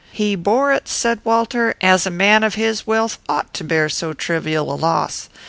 "He bore it," said Walter, "as a man of his wealth ought to bear so trivial a loss.